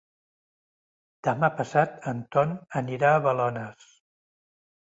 Demà passat en Ton anirà a Balones.